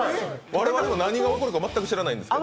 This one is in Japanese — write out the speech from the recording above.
我々も何が起こるか全く知らないんです。